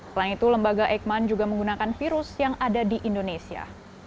selain itu lembaga eijkman juga menggunakan virus yang ada di indonesia